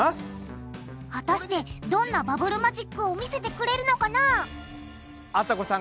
果たしてどんなバブルマジックを見せてくれるのかな？